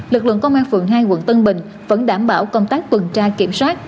lực lượng công an phường hai quận tân bình vẫn đảm bảo công tác tuần tra kiểm soát